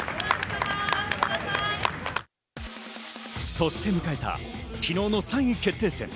そして迎えた昨日の３位決定戦。